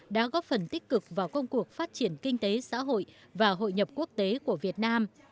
đã góp phần tích cực vào công cuộc phát triển kinh tế xã hội và hội nhập quốc tế của việt nam